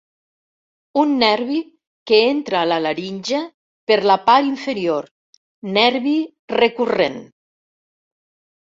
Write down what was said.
Un nervi que entra a la laringe per la part inferior -nervi recurrent-.